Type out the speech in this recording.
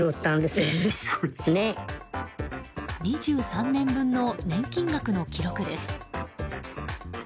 ２３年分の年金額の記録です。